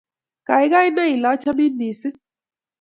Kaikai nai ile achamin missing'.